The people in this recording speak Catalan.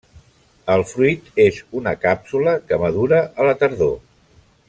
El fruit és una càpsula que madura a la tardor.